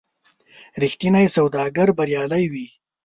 رښتینی سوداګر بریالی وي.